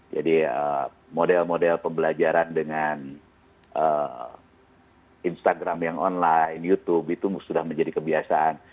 jadi model model pembelajaran dengan instagram yang online youtube itu sudah menjadi kebiasaan